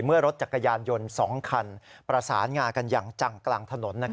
รถจักรยานยนต์๒คันประสานงากันอย่างจังกลางถนน